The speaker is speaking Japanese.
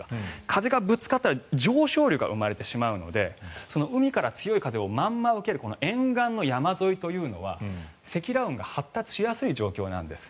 風がぶつかったら上昇流が生まれてしまうので海から強い風をまんま受ける沿岸の山沿いというのは積乱雲が発達しやすい状況なんです。